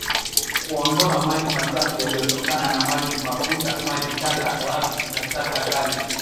Kuondoa maji machafu yaliyotokana na maji mafuta maji taka ghafi na taka kali